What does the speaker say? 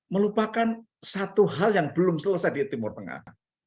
melupakan satu hal yang belum selesai di timur tengah